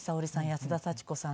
安田祥子さん